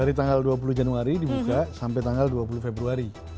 dari tanggal dua puluh januari dibuka sampai tanggal dua puluh februari